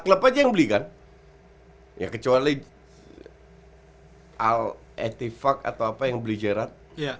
klub aja yang belikan ya kecuali al ethifak atau apa yang beli jalan